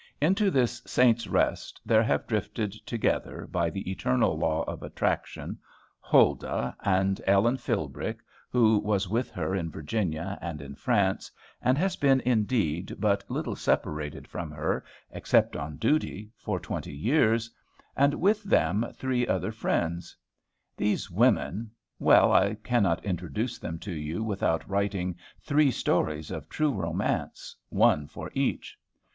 Into this Saints' Rest, there have drifted together, by the eternal law of attraction, Huldah, and Ellen Philbrick (who was with her in Virginia, and in France, and has been, indeed, but little separated from her, except on duty, for twenty years), and with them three other friends. These women, well, I cannot introduce them to you without writing three stories of true romance, one for each.